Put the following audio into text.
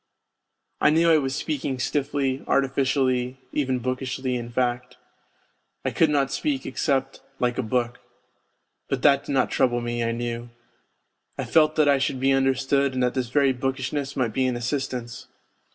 ... I knew I was speaking stiffly, artificially, even bookishly, in fact, I could not speak except " like a book." But that did not trouble me : I knew, I felt that I should be under stood and that this very bookishness might be an assistance.